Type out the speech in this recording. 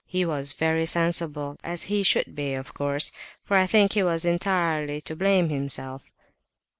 He was very sensible, as he should be, of course, for I think he was entirely to blame himself."